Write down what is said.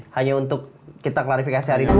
hanya untuk kita klarifikasi hari ini